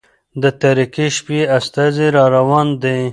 د تاريكي شپې استازى را روان دى